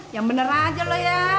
yang bener aja loh ya